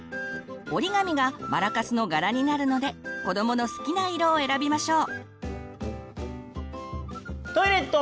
折り紙がマラカスの柄になるので子どもの好きな色を選びましょう。